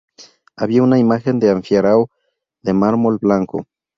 Había una imagen de Anfiarao de mármol blanco.